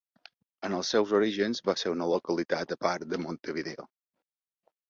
En els seus orígens va ser una localitat a part de Montevideo.